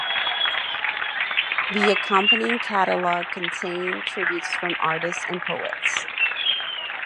The accompanying catalogue contained tributes from artists and poets.